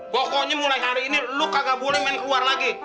pokoknya mulai hari ini luka gak boleh main keluar lagi